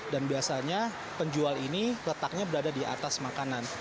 dan biasanya penjual ini letaknya berada di atas makanan